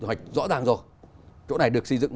hoặc rõ ràng rồi chỗ này được xây dựng